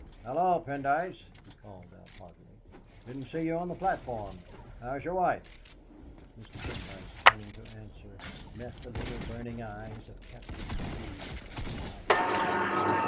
"Hallo, Pendyce!" he called out heartily; "didn't see you on the platform. How's your wife?" Mr. Pendyce, turning to answer, met the little burning eyes of Captain Bellew, who came out third.